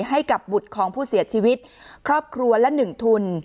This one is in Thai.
ให้กับบุตรของผู้เสียชีวิตครอบครัวละ๑ทุน